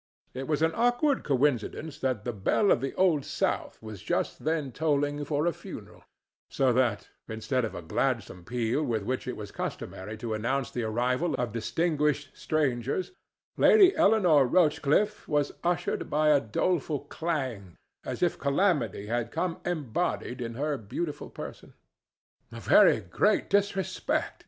It was an awkward coincidence that the bell of the Old South was just then tolling for a funeral; so that, instead of a gladsome peal with which it was customary to announce the arrival of distinguished strangers, Lady Eleanore Rochcliffe was ushered by a doleful clang, as if calamity had come embodied in her beautiful person. "A very great disrespect!"